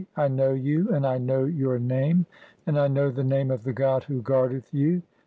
(27) I know you, and I know your "name, and I know the name (28) of the god who guardeth "you.